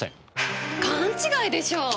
勘違いでしょう。